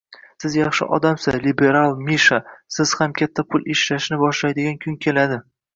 Siz yaxshi odamsiz, liberal Misha! Siz ham katta pul ishlashni boshlaydigan kun keladi!